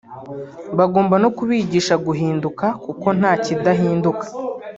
bagomba no kubigisha guhinduka kuko nta kidahinduka